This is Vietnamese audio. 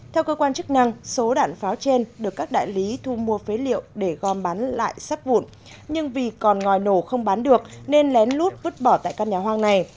theo cơ quan chức năng số đạn pháo trên được các đại lý thu mua phế liệu để gom bán lại sắp vụn nhưng vì còn ngòi nổ không bán được nên lén lút vứt bỏ tại căn nhà hoang này